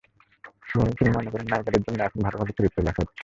বরং তিনি মনে করেন, নায়িকাদের জন্য এখন ভালো ভালো চরিত্র লেখা হচ্ছে।